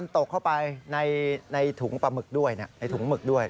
ตกเข้าไปในถุงมึกด้วย